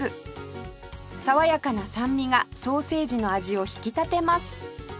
爽やかな酸味がソーセージの味を引き立てます